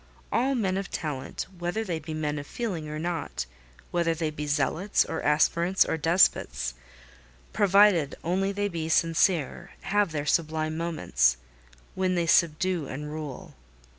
All men of talent, whether they be men of feeling or not; whether they be zealots, or aspirants, or despots—provided only they be sincere—have their sublime moments, when they subdue and rule.